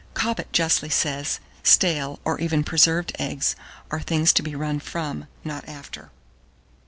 Cobbett justly says, stale, or even preserved eggs, are things to be run from, not after.